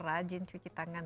rajin cuci tangan